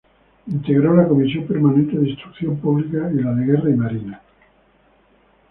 Integró la Comisión permanente de Instrucción Pública y la de Guerra y Marina.